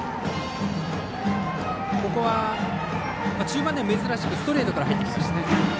ここは、中盤で珍しくストレートで入ってきました。